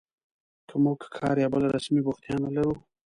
که موږ کار یا بله رسمي بوختیا نه لرو